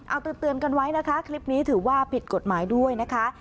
เอาเตือนกันไว้นะคะคลิปนี้ถือว่าผิดกฎหมายด้วยนะคะ